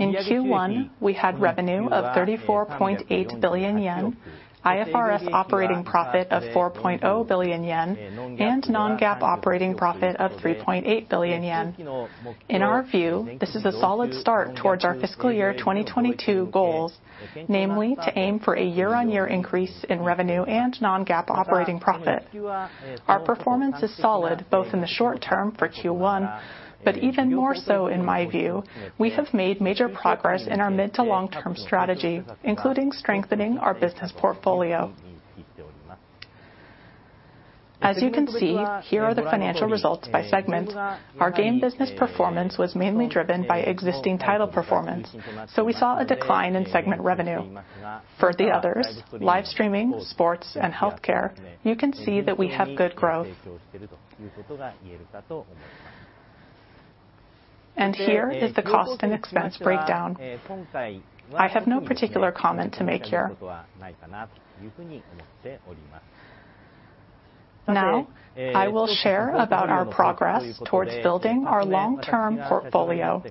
In Q1, we had revenue of 34.8 billion yen, IFRS operating profit of 4.0 billion yen, and non-GAAP operating profit of 3.8 billion yen. In our view, this is a solid start towards our fiscal year 2022 goals, namely to aim for a year-on-year increase in revenue and non-GAAP operating profit. Our performance is solid both in the short term for Q1, but even more so, in my view, we have made major progress in our mid to long-term strategy, including strengthening our business portfolio. As you can see, here are the financial results by segment. Our game business performance was mainly driven by existing title performance, so we saw a decline in segment revenue. For the others, live streaming, sports, and healthcare, you can see that we have good growth. Here is the cost and expense breakdown. I have no particular comment to make here. Now, I will share about our progress towards building our long-term portfolio.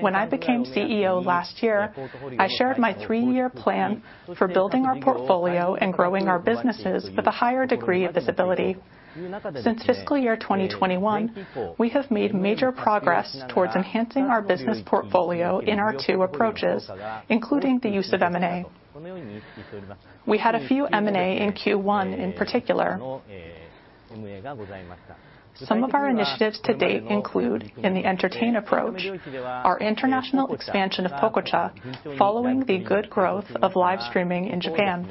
When I became CEO last year, I shared my three-year plan for building our portfolio and growing our businesses with a higher degree of visibility. Since fiscal year 2021, we have made major progress towards enhancing our business portfolio in our two approaches, including the use of M&A. We had a few M&A in Q1 in particular. Some of our initiatives to date include, in the entertainment approach, our international expansion of Pococha following the good growth of live streaming in Japan.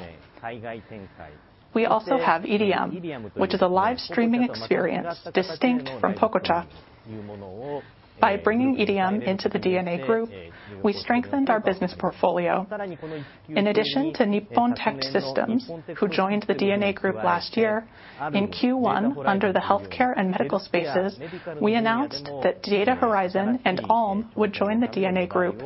We also have EDM, which is a live streaming experience distinct from Pococha. By bringing EDM into the DeNA group, we strengthened our business portfolio. In addition to Nippon Tect Systems Co., Ltd., who joined the DeNA group last year, in Q1, under the healthcare and medical spaces, we announced that Data Horizon Co., Ltd. and Allm Inc. would join the DeNA group.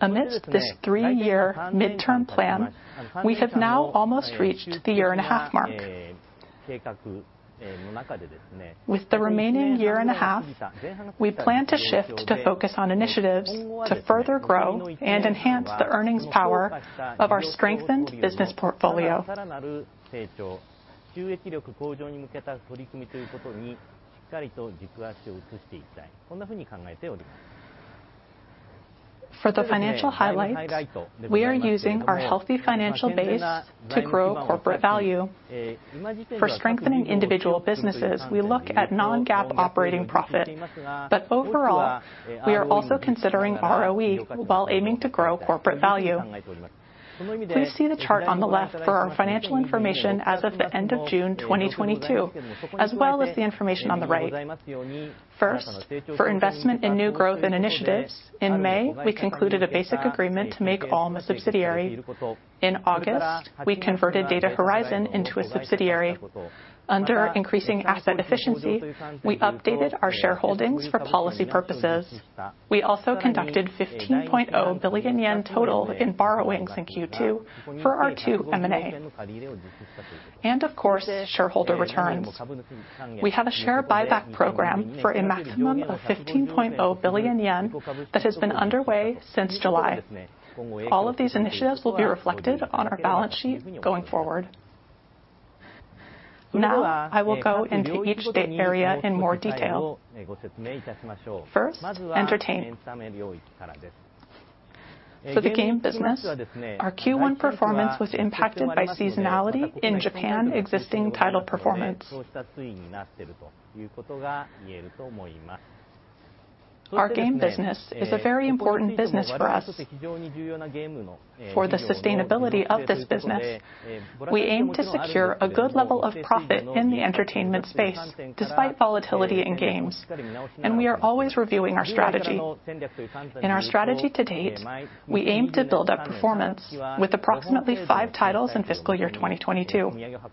Amidst this three-year midterm plan, we have now almost reached the year-and-a-half mark. With the remaining year and a half, we plan to shift to focus on initiatives to further grow and enhance the earnings power of our strengthened business portfolio. For the financial highlights, we are using our healthy financial base to grow corporate value. For strengthening individual businesses, we look at non-GAAP operating profit, but overall, we are also considering ROE while aiming to grow corporate value. Please see the chart on the left for our financial information as of the end of June 2022, as well as the information on the right. First, for investment in new growth and initiatives, in May, we concluded a basic agreement to make Allm a subsidiary. In August, we converted Data Horizon into a subsidiary. Under increasing asset efficiency, we updated our shareholdings for policy purposes. We also conducted 15.0 billion yen total in borrowings in Q2 for our two M&A. Of course, shareholder returns. We have a share buyback program for a maximum of 15.0 billion yen that has been underway since July. All of these initiatives will be reflected on our balance sheet going forward. Now, I will go into each strategic area in more detail. First, entertainment. For the game business, our Q1 performance was impacted by seasonality in Japanese existing title performance. Our game business is a very important business for us. For the sustainability of this business, we aim to secure a good level of profit in the entertainment space despite volatility in games, and we are always reviewing our strategy. In our strategy to date, we aim to build up performance with approximately five titles in fiscal year 2022.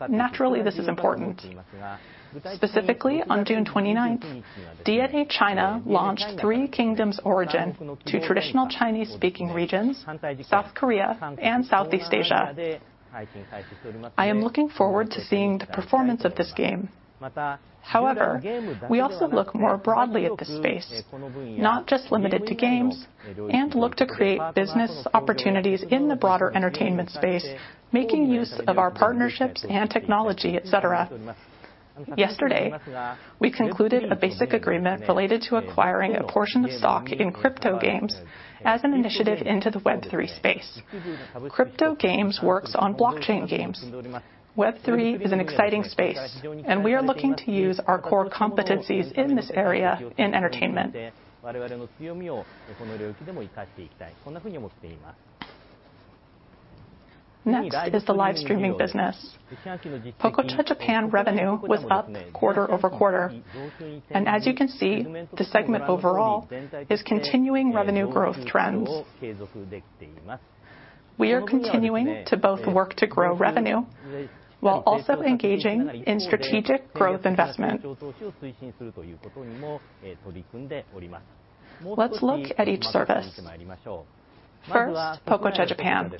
Naturally, this is important. Specifically, on June 29, DeNA China launched Three Kingdoms Origin to traditional Chinese-speaking regions, South Korea, and Southeast Asia. I am looking forward to seeing the performance of this game. However, we also look more broadly at this space, not just limited to games, and look to create business opportunities in the broader entertainment space, making use of our partnerships and technology, et cetera. Yesterday, we concluded a basic agreement related to acquiring a portion of stock in CryptoGames as an initiative into the Web3 space. CryptoGames works on blockchain games. Web3 is an exciting space, and we are looking to use our core competencies in this area in entertainment. Next is the live streaming business. Pococha Japan revenue was up quarter-over-quarter. As you can see, the segment overall is continuing revenue growth trends. We are continuing to both work to grow revenue while also engaging in strategic growth investment. Let's look at each service. First, Pococha Japan.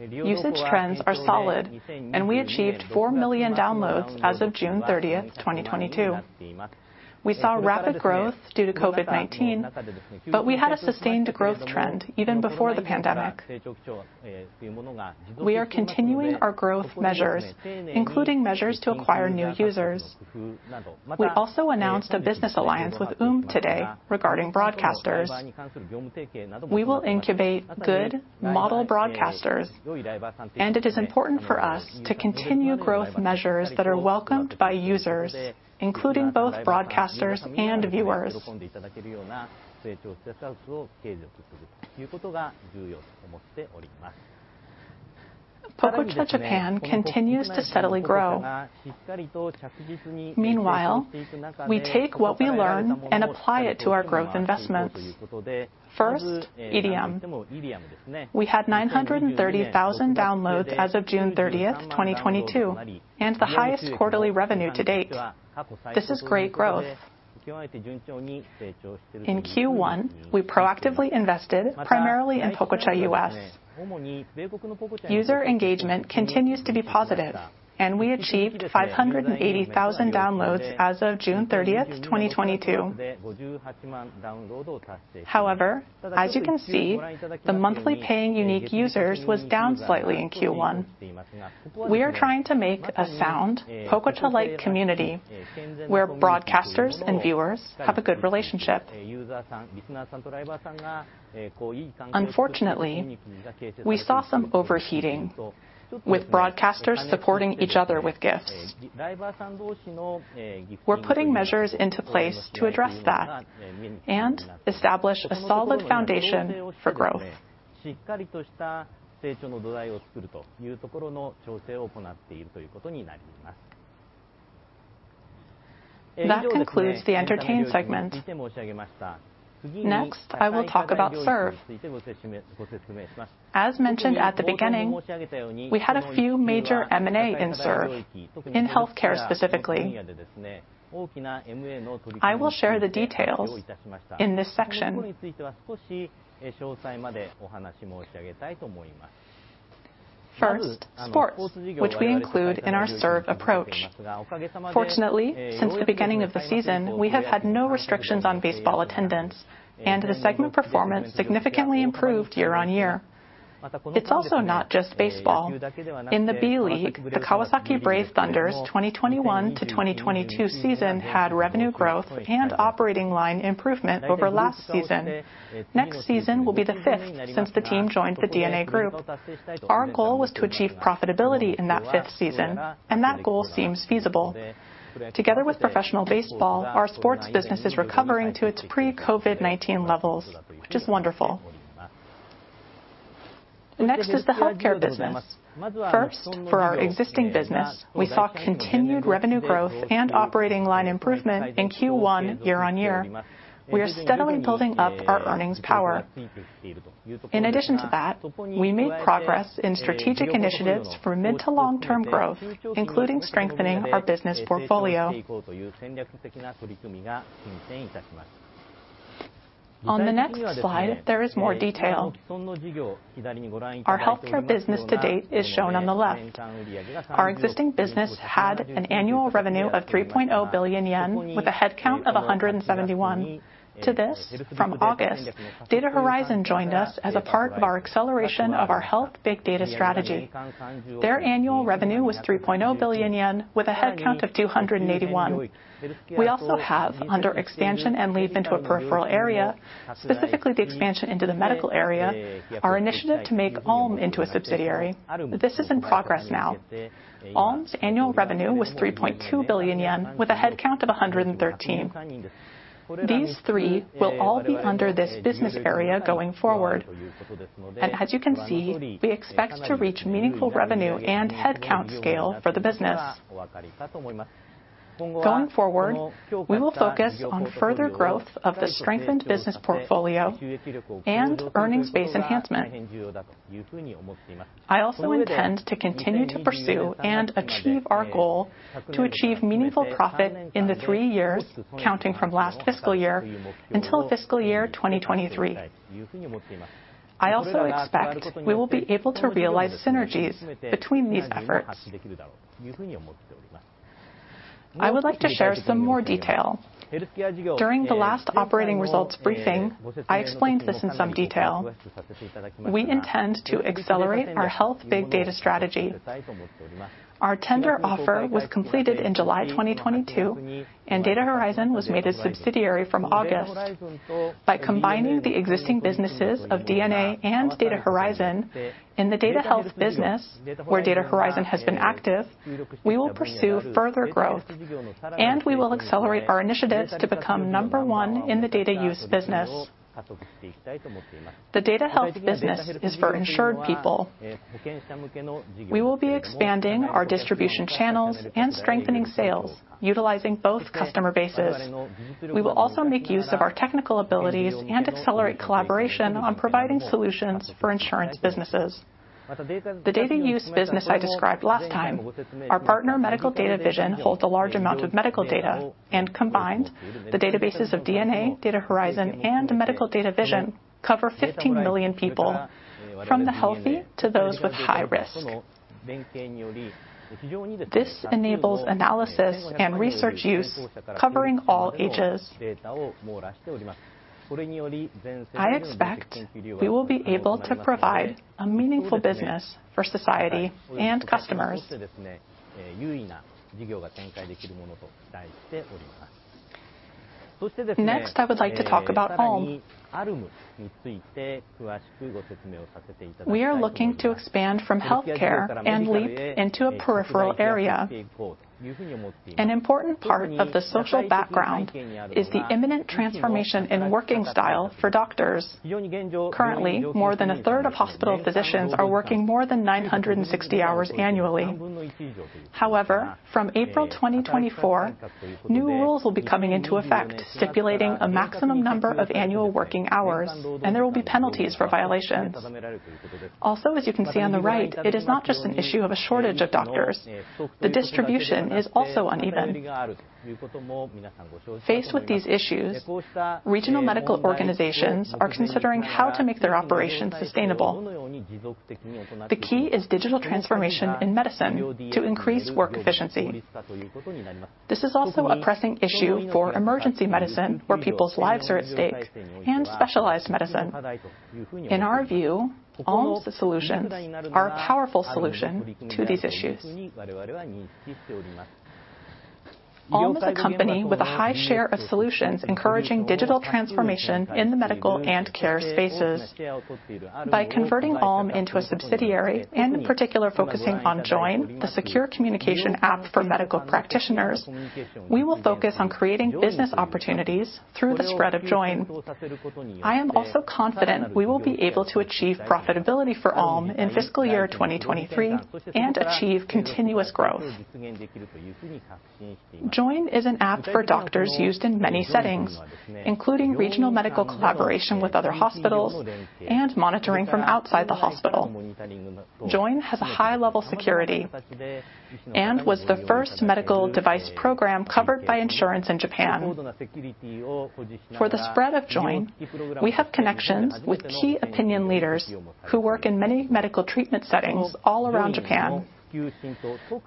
Usage trends are solid, and we achieved four million downloads as of June 30, 2022. We saw rapid growth due to COVID-19, but we had a sustained growth trend even before the pandemic. We are continuing our growth measures, including measures to acquire new users. We also announced a business alliance with UUUM today regarding broadcasters. We will incubate good model broadcasters, and it is important for us to continue growth measures that are welcomed by users, including both broadcasters and viewers. Pococha Japan continues to steadily grow. Meanwhile, we take what we learn and apply it to our growth investments. First, IRIAM. We had 930,000 downloads as of June 30, 2022, and the highest quarterly revenue to date. This is great growth. In Q1, we proactively invested primarily in Pococha US. User engagement continues to be positive, and we achieved 580,000 downloads as of June 30, 2022. However, as you can see, the monthly paying unique users was down slightly in Q1. We are trying to make a sound Pococha-like community where broadcasters and viewers have a good relationship. Unfortunately, we saw some overheating, with broadcasters supporting each other with gifts. We're putting measures into place to address that and establish a solid foundation for growth. That concludes the entertainment segment. Next, I will talk about Serve. As mentioned at the beginning, we had a few major M&A in Serve, in healthcare specifically. I will share the details in this section. First, sports, which we include in our Serve approach. Fortunately, since the beginning of the season, we have had no restrictions on baseball attendance, and the segment performance significantly improved year-over-year. It's also not just baseball. In the B.LEAGUE, the Kawasaki Brave Thunders' 2021-2022 season had revenue growth and operating line improvement over last season. Next season will be the fifth since the team joined the DeNA group. Our goal was to achieve profitability in that fifth season, and that goal seems feasible. Together with professional baseball, our sports business is recovering to its pre-COVID-19 levels, which is wonderful. Next is the healthcare business. First, for our existing business, we saw continued revenue growth and operating line improvement in Q1 year-over-year. We are steadily building up our earnings power. In addition to that, we made progress in strategic initiatives for mid- to long-term growth, including strengthening our business portfolio. On the next slide, there is more detail. Our healthcare business to date is shown on the left. Our existing business had an annual revenue of 3.0 billion yen with a headcount of 171. To this, from August, Data Horizon joined us as a part of our acceleration of our health big data strategy. Their annual revenue was 3.0 billion yen with a headcount of 281. We also have, under expansion and leap into a peripheral area, specifically the expansion into the medical area, our initiative to make Allm into a subsidiary. This is in progress now. Allm's annual revenue was 3.2 billion yen with a headcount of 113. These three will all be under this business area going forward. As you can see, we expect to reach meaningful revenue and headcount scale for the business. Going forward, we will focus on further growth of the strengthened business portfolio and earnings base enhancement. I also intend to continue to pursue and achieve our goal to achieve meaningful profit in the three years counting from last fiscal year until fiscal year 2023. I also expect we will be able to realize synergies between these efforts. I would like to share some more detail. During the last operating results briefing, I explained this in some detail. We intend to accelerate our health big data strategy. Our tender offer was completed in July 2022, and Data Horizon was made a subsidiary from August. By combining the existing businesses of DeNA and Data Horizon in the data health business, where Data Horizon has been active, we will pursue further growth, and we will accelerate our initiatives to become number one in the data use business. The data health business is for insured people. We will be expanding our distribution channels and strengthening sales, utilizing both customer bases. We will also make use of our technical abilities and accelerate collaboration on providing solutions for insurance businesses. The data use business I described last time, our partner, Medical Data Vision, holds a large amount of medical data, and combined, the databases of DeNA, Data Horizon and Medical Data Vision cover 15 million people from the healthy to those with high risk. This enables analysis and research use covering all ages. I expect we will be able to provide a meaningful business for society and customers. Next, I would like to talk about Allm. We are looking to expand from healthcare and leap into a peripheral area. An important part of the social background is the imminent transformation in working style for doctors. Currently, more than a third of hospital physicians are working more than 960 hours annually. However, from April 2024, new rules will be coming into effect stipulating a maximum number of annual working hours, and there will be penalties for violations. Also, as you can see on the right, it is not just an issue of a shortage of doctors. The distribution is also uneven. Faced with these issues, regional medical organizations are considering how to make their operations sustainable. The key is digital transformation in medicine to increase work efficiency. This is also a pressing issue for emergency medicine, where people's lives are at stake, and specialized medicine. In our view, Allm's solutions are a powerful solution to these issues. Allm is a company with a high share of solutions encouraging digital transformation in the medical and care spaces. By converting Allm into a subsidiary, in particular focusing on Join, the secure communication app for medical practitioners, we will focus on creating business opportunities through the spread of Join. I am also confident we will be able to achieve profitability for Allm in fiscal year 2023 and achieve continuous growth. Join is an app for doctors used in many settings, including regional medical collaboration with other hospitals and monitoring from outside the hospital. Join has a high level of security and was the first medical device program covered by insurance in Japan. For the spread of Join, we have connections with key opinion leaders who work in many medical treatment settings all around Japan.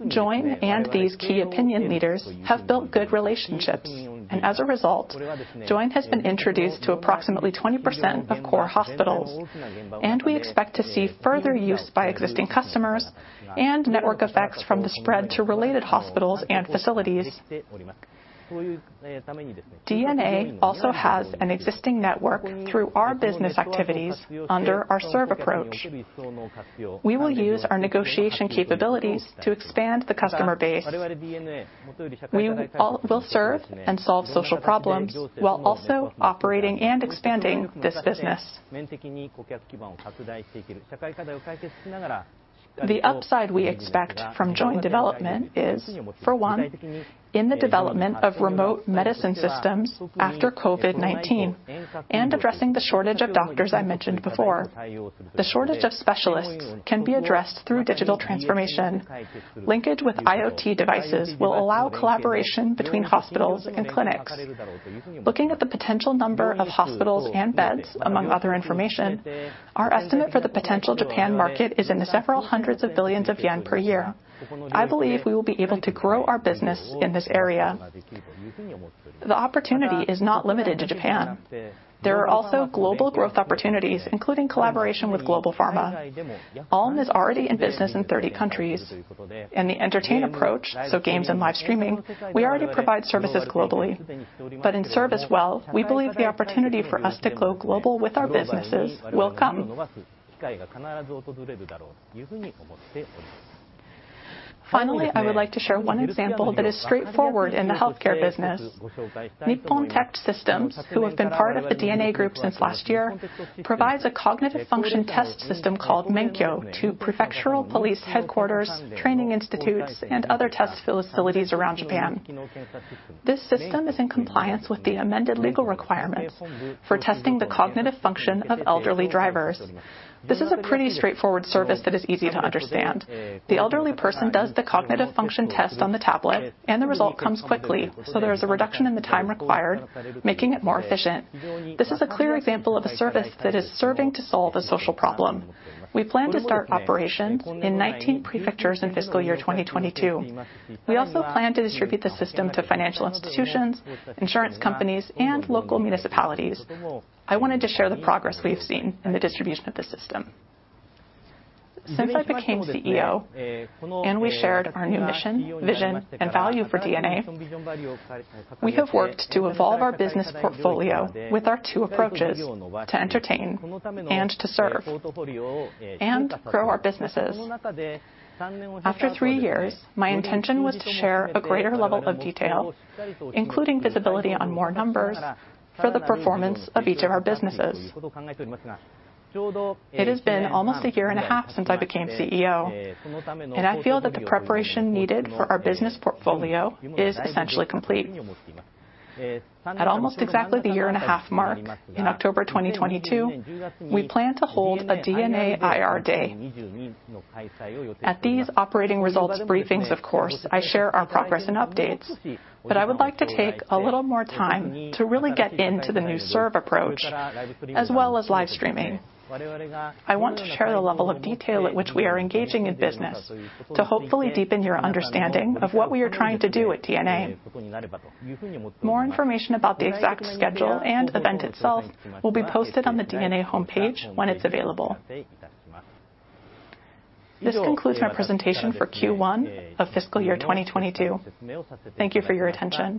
Join and these key opinion leaders have built good relationships, and as a result, Join has been introduced to approximately 20% of core hospitals, and we expect to see further use by existing customers and network effects from the spread to related hospitals and facilities. DeNA also has an existing network through our business activities under our serve approach. We will use our negotiation capabilities to expand the customer base. We all will serve and solve social problems while also operating and expanding this business. The upside we expect from joint development is, for one, in the development of remote medicine systems after COVID-19 and addressing the shortage of doctors I mentioned before. The shortage of specialists can be addressed through digital transformation. Linkage with IoT devices will allow collaboration between hospitals and clinics. Looking at the potential number of hospitals and beds, among other information, our estimate for the potential Japan market is JPY several hundred billion per year. I believe we will be able to grow our business in this area. The opportunity is not limited to Japan. There are also global growth opportunities, including collaboration with global pharma. Allm is already in business in 30 countries. In the entertainment approach, so games and live streaming, we already provide services globally. In services as well, we believe the opportunity for us to go global with our businesses will come. Finally, I would like to share one example that is straightforward in the healthcare business. Nippon Tect Systems Co., Ltd., who have been part of the DeNA group since last year, provides a cognitive function test system called MENKYO to prefectural police headquarters, training institutes and other test facilities around Japan. This system is in compliance with the amended legal requirements for testing the cognitive function of elderly drivers. This is a pretty straightforward service that is easy to understand. The elderly person does the cognitive function test on the tablet, and the result comes quickly, so there is a reduction in the time required, making it more efficient. This is a clear example of a service that is serving to solve a social problem. We plan to start operations in 19 prefectures in fiscal year 2022. We also plan to distribute the system to financial institutions, insurance companies and local municipalities. I wanted to share the progress we've seen in the distribution of the system. Since I became CEO and we shared our new mission, vision and value for DeNA, we have worked to evolve our business portfolio with our two approaches to entertain and to serve and grow our businesses. After three years, my intention was to share a greater level of detail, including visibility on more numbers for the performance of each of our businesses. It has been almost a year and a half since I became CEO, and I feel that the preparation needed for our business portfolio is essentially complete. At almost exactly the year-and-a-half mark in October 2022, we plan to hold a DeNA IR Day. At these operating results briefings, of course, I share our progress and updates, but I would like to take a little more time to really get into the new serve approach as well as live streaming. I want to share the level of detail at which we are engaging in business to hopefully deepen your understanding of what we are trying to do at DeNA. More information about the exact schedule and event itself will be posted on the DeNA homepage when it's available. This concludes my presentation for Q1 of fiscal year 2022. Thank you for your attention.